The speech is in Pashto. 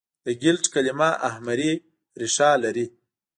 د ګلټ کلیمه اهمري ریښه لري.